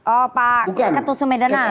oh pak ketut sumedana